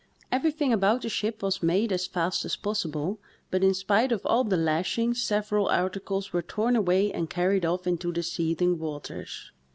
Everything about the ship was made as fast as possible, but in spite of all the lashings several articles were torn away and carried off into the seething waters.